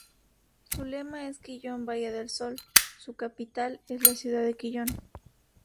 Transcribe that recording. Su lema es "Quillón Valle del Sol"; su capital es la ciudad de Quillón.